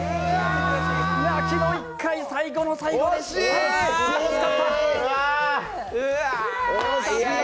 泣きの一回、最後の最後で失敗。